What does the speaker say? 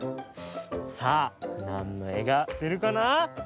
さあなんのえがでるかな？